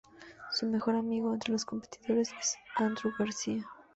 Su mejor amigo entre los competidores es Andrew Garcia.